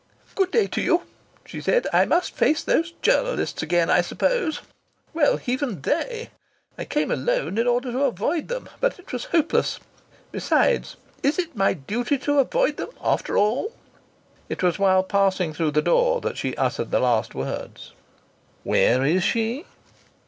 "Good day to you," she said. "I must face those journalists again, I suppose. Well, even they ! I came alone in order to avoid them. But it was hopeless. Besides, is it my duty to avoid them after all?" It was while passing through the door that she uttered the last words. "Where is she?"